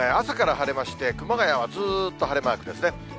朝から晴れまして、熊谷はずーっと晴れマークですね。